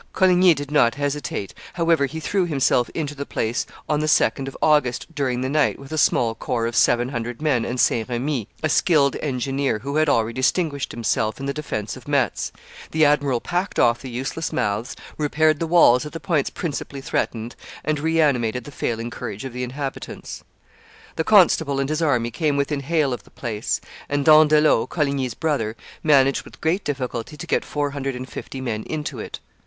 Coligny did not hesitate, however he threw himself into the place on the 2d of August, during the night, with a small corps of seven hundred men and Saint Remy, a skilful engineer, who had already distinguished himself in the defence of Metz; the admiral packed off the useless mouths, repaired the walls at the points principally threatened, and reanimated the failing courage of the inhabitants. The constable and his army came within hail of the place; and D'Andelot, Coligny's brother, managed with great difficulty to get four hundred and fifty men into it.